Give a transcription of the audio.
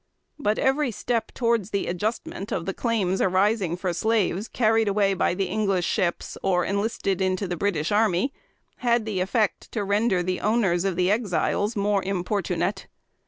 But every step towards the adjustment of the claims arising for slaves carried away by the English ships, or enlisted into the British army, had the effect to render the owners of Exiles more importunate.